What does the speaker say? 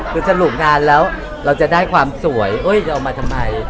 คือสรุปงานแล้วเราจะได้ความสวยจะเอามาทำไม